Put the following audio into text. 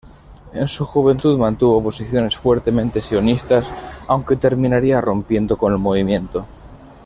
En su juventud mantuvo posiciones fuertemente sionistas, aunque terminaría rompiendo con el movimiento.